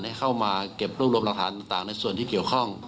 ถูกเก็บรวมราคาที่เกี่ยวข้อง